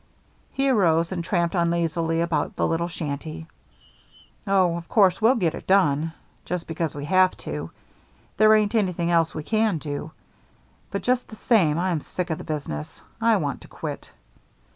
He arose and tramped uneasily about the little shanty. "Oh, of course, we'll get it done just because we have to. There ain't anything else we can do. But just the same I'm sick of the business. I want to quit."